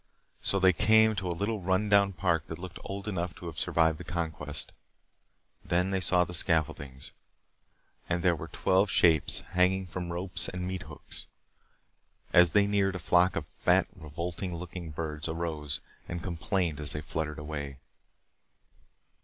So they came to a little run down park that looked old enough to have survived the conquest. Then they saw the scaffoldings. And there were twelve shapes hanging from ropes and meat hooks. As they neared, a flock of fat revolting looking birds arose and complained as they fluttered away.